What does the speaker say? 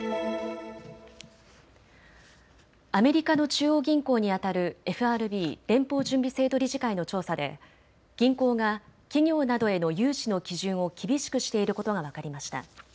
アメリカの中央銀行にあたるＦＲＢ・連邦準備制度理事会の調査で銀行が企業などへの融資の基準を厳しくしていることが分かりました。